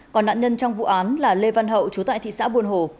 còn nạn nhân trong vụ án là lê văn hậu trú tại thị xã buồn hồ